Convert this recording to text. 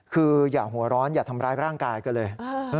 คืออย่าหัวร้อนอย่าทำร้ายร่างกายกันเลย